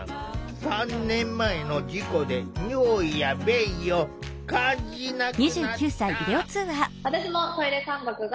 ３年前の事故で尿意や便意を感じなくなった。